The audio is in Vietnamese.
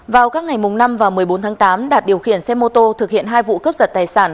vào các ngày mùng năm và một mươi bốn tháng tám đạt điều khiển xe mô tô thực hiện hai vụ cướp giật tài sản